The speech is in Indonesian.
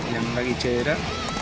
yang lagi cedera